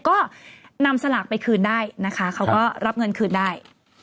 ก็นำสลากไปคืนได้นะคะเขาก็รับเงินคืนได้